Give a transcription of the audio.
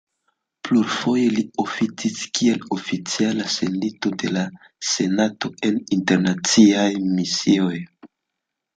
Plurfoje li oficis kiel oficiala sendito de la senato en internaciaj misioj.